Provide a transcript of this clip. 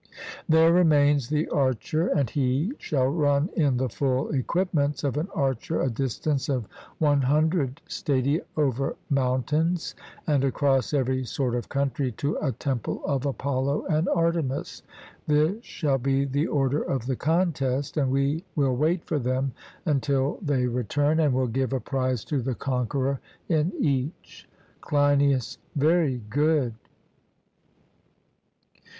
There remains the archer; and he shall run in the full equipments of an archer a distance of 100 stadia over mountains, and across every sort of country, to a temple of Apollo and Artemis; this shall be the order of the contest, and we will wait for them until they return, and will give a prize to the conqueror in each. CLEINIAS: Very good.